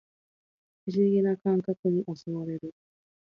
不思議な感覚に襲われる